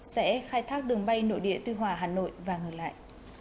sẽ khai thác đường bay nội địa tuy hòa hà nội và ngược lại